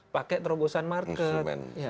pakai terobosan market